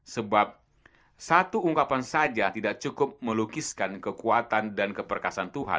sebab satu ungkapan saja tidak cukup melukiskan kekuatan dan keperkasan tuhan